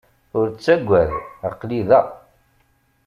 Ur ttagad. Aql-i da.